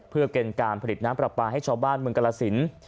เพื่อเป็นการผลิตน้ำปลาปลาให้ชาวบ้านเมืองกรสิน